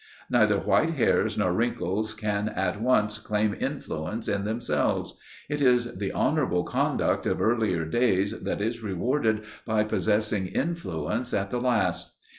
Neither white hairs nor wrinkles can at once claim influence in themselves: it is the honourable conduct of earlier days that is rewarded by possessing influence at the last.